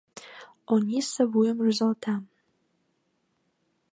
Ониса вуйым рӱзалта.